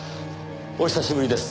お久しぶりです